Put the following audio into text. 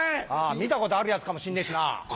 見たことあるヤツかもしんねえしな。